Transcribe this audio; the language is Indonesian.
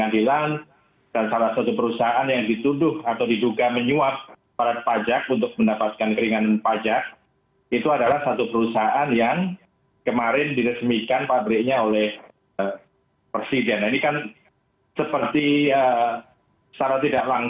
tidak menjadi perhatian